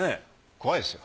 怖いですよ。